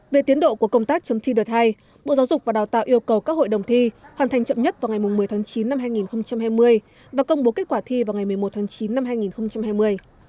về tiến độ của công tác chấm thi đợt hai bộ giáo dục và đào tạo yêu cầu các hội đồng thi hoàn thành chậm nhất vào ngày một mươi tháng chín năm hai nghìn hai mươi và công bố kết quả thi vào ngày một mươi một tháng chín năm hai nghìn hai mươi